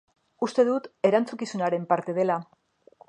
Uste dut erantzukizunaren parte dela.